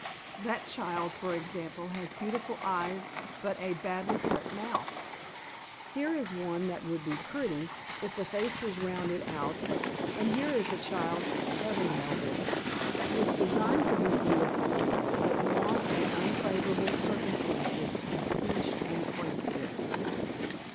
That child, for example, has beautiful eyes but a badly cut mouth, Here is one that would be pretty, if the face was rounded out; and here is a child, Heaven help it! that was designed to be beautiful, but want and unfavorable circumstances have pinched and cramped it."